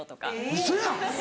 ウソやん。